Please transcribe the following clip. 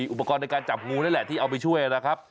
อุปกรณ์ในการจับงูนั่นแหละที่เอาไปช่วยนะครับ